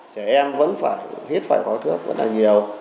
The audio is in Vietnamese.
trẻ em vẫn phải hít khói thuốc rất là nhiều